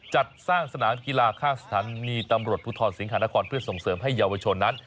จัดสร้างสนามกีฬาข้างสถานีตำรวจภูทรสิงหานครเพื่อส่งเสริมให้เยาวชนนั้น